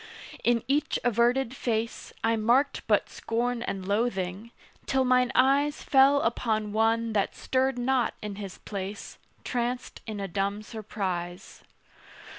In each averted face I marked but scorn and loathing, till mine eyes Fell upon one that stirred not in his place, Tranced in a dumb surprise.